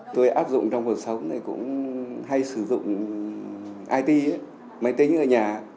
tôi áp dụng trong cuộc sống thì cũng hay sử dụng it máy tính ở nhà